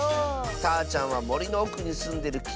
たーちゃんはもりのおくにすんでるき